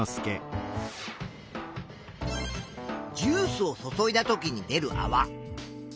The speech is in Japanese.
ジュースを注いだときに出るあわ。